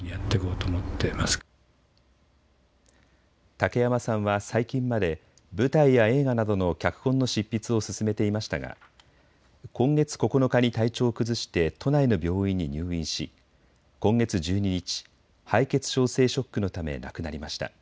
竹山さんは最近まで舞台や映画などの脚本の執筆を進めていましたが今月９日に体調を崩して都内の病院に入院し今月１２日、敗血症性ショックのため亡くなりました。